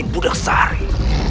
ini budak sari